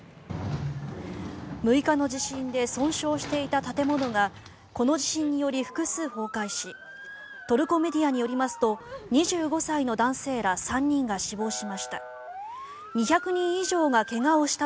６日の地震で損傷していた建物がこの地震により複数崩壊しトルコメディアによりますと２５歳の男性ら３人が死亡しました。